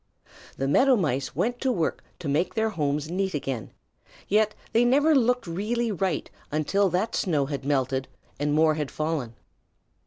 The Meadow Mice went to work to make their homes neat again, yet they never looked really right until that snow had melted and more had fallen.